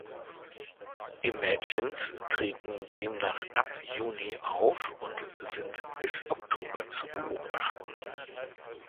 Imagines treten demnach ab Juni auf und sind bis Oktober zu beobachten.